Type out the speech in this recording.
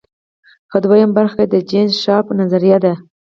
په دویمه برخه کې د جین شارپ نظریه ده.